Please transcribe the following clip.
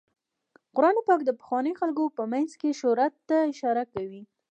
قرآن پاک د پخوانیو خلکو په مینځ کې شهرت ته اشاره کوي.